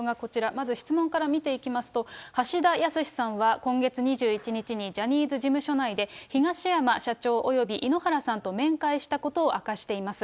まず質問から見ていきますと、橋田康さんは今月２１日に、ジャニーズ事務所内で東山社長および井ノ原さんと面会したことを明かしています。